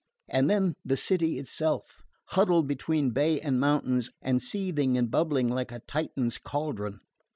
And then the city itself, huddled between bay and mountains, and seething and bubbling like a Titan's cauldron!